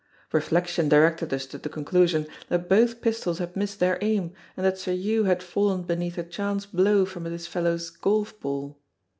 Reflection directed us to the conclusion that both pistols had missed their aim, and that Sir Hew had fallen beneath a chance blow from this fellow's golf ball.